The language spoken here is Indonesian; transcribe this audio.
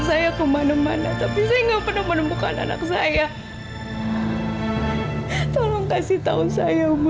saya kemana mana tapi saya nggak pernah menemukan anak saya tolong kasih tahu saya